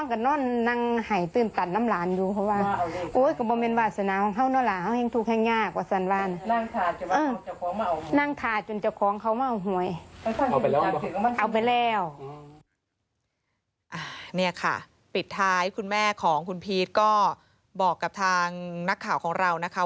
นี่ค่ะปิดท้ายคุณแม่ของคุณพีชก็บอกกับทางนักข่าวของเรานะคะ